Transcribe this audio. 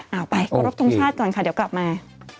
เอาไปขอรบทรงชาติก่อนค่ะเดี๋ยวกลับมา